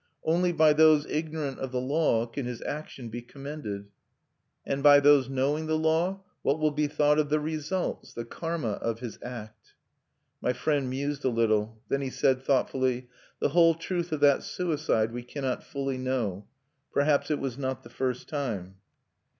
Only by those ignorant of the Law can his action be commended." "And by those knowing the Law, what will be thought of the results, the karma of his act?" My friend mused a little; then he said, thoughtfully: "The whole truth of that suicide we cannot fully know. Perhaps it was not the first time."